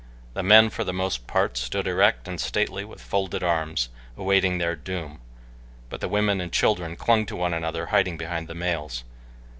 The men, for the most part, stood erect and stately with folded arms, awaiting their doom; but the women and children clung to one another, hiding behind the males.